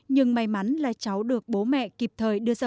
nhưng may mắn là cháu được bố mẹ kịp thời đưa ra